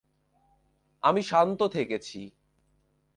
আমি শান্ত থেকেছি।